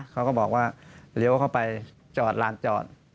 เขาก็บอกว่าเลี้ยวเข้าไปจอดลานจอด